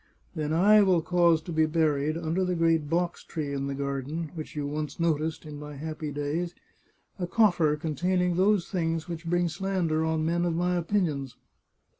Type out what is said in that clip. Then I will cause to be buried, under the great box tree in the garden, which you once noticed, in my happy days, a coffer containing those things which bring slander on men of my opinions.